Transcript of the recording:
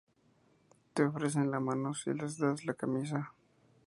te ofrecen la mano si les das la camisa